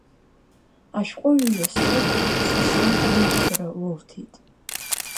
Ашәҟәыҩҩы Соԥо сасра ааԥхьара лылҭеит.